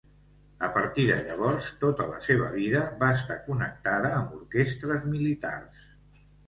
A partir de llavors tota la seva vida va estar connectada amb orquestres militars.